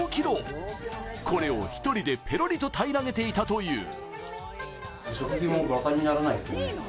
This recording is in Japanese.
これを１人でペロリと平らげていたという。